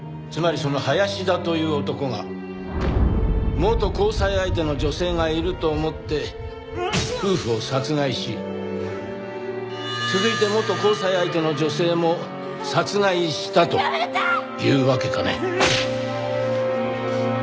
つまりその林田という男が元交際相手の女性がいると思って夫婦を殺害し続いて元交際相手の女性も殺害したというわけかね？